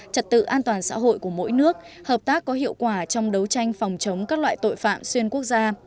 trật tự an toàn xã hội của mỗi nước hợp tác có hiệu quả trong đấu tranh phòng chống các loại tội phạm xuyên quốc gia